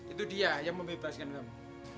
itu dia yang membebaskan kamu